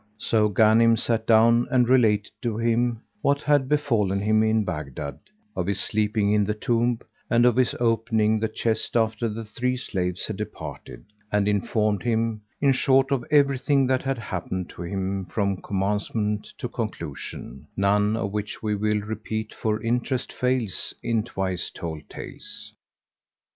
So Ghanim sat down and related to him what had befallen him in Baghdad, of his sleeping in the tomb and of his opening the chest after the three slaves had departed, and informed him, in short, of everything that had happened to him from commencement to conclusion none of which we will repeat for interest fails in twice told tales.